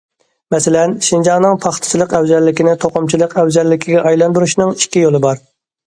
مەسىلەن، شىنجاڭنىڭ پاختىچىلىق ئەۋزەللىكىنى توقۇمىچىلىق ئەۋزەللىكىگە ئايلاندۇرۇشنىڭ ئىككى يولى بار.